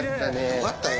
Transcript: よかったよ